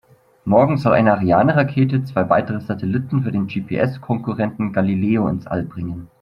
Morgen soll eine Ariane-Rakete zwei weitere Satelliten für den GPS-Konkurrenten Galileo ins All bringen.